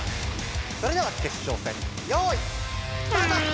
それでは決勝戦よいスタート！